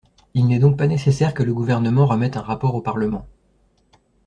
Il n’est donc pas nécessaire que le Gouvernement remette un rapport au Parlement.